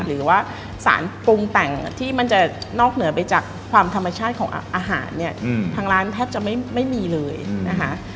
หรือว่าสารปรุงแต่งที่มันจะนอกเหนือไปจากความธรรมชาติของอาหารเนี่ยทางร้านแทบจะไม่มีเลยนะคะ